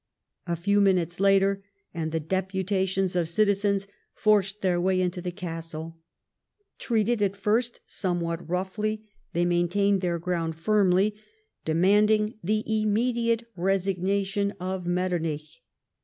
A few minutes later, and the deputations of citizens forced their way into the castle. Treated at first somewhat roughly, they main tained their ground firmly, demanding the immediate resignation of Metternich.